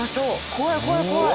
怖い怖い怖い！